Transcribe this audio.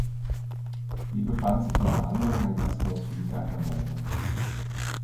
Hier befand sich unter anderem ein Gasthaus für die Bergarbeiter.